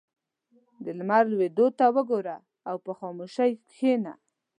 • د لمر لوېدو ته وګوره او په خاموشۍ کښېنه.